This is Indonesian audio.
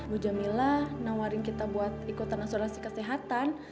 bu jamila nawarin kita buat ikutan asuransi kesehatan